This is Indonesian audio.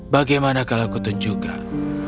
bagaimana kalau aku tunjukkan